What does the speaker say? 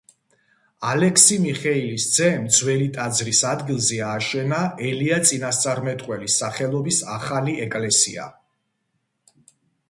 ალექსი მიხეილის ძემ ძველი ტაძრის ადგილზე ააშენა ელია წინასწარმეტყველის სახელობის ახალი ეკლესია.